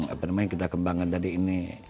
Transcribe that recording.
apa namanya kita kembangkan tadi ini